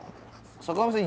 坂上さん